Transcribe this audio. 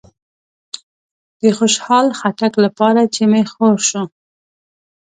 د خوشحال خټک لپاره چې می خور شو